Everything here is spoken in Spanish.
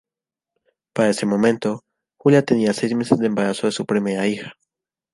Para ese momento, Julia tenía seis meses de embarazo de su primera hija.